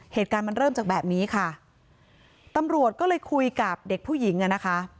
เหตุการณ์มันเริ่มจากแบบนี้ค่ะตำรวจก็เลยคุยกับเด็กผู้หญิงอ่ะนะคะ